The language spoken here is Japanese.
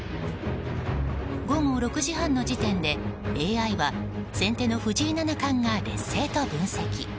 午後６時半の時点でＡＩは先手の藤井七冠が劣勢と分析。